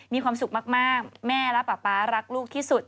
มีความสุขมากแม่และป๊าป๊ารักลูกที่สุด